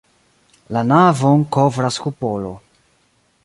La navon kovras kupolo.